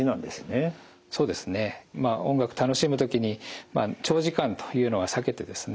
そうですね音楽楽しむ時に長時間というのは避けてですね